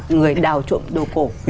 người đào trộm đồ cổ